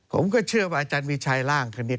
ผมก็เชื่อว่าอาจารย์มีชัยร่างคณิต